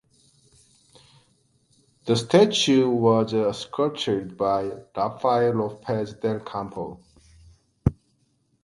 The statue was sculptured by Rafael Lopez del Campo.